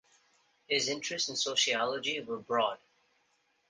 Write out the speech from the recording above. His interests in sociology were broad.